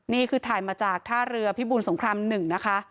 นี่คือถ่ายมาจากท่าเรือพิบูลสงคราม๑นะคะ